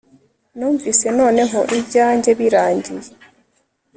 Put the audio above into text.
numvise noneho ibyanjye birangiye